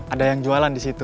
ada yang jualan di situ